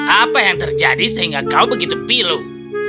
apa yang terjadi sehingga kau begitu pilu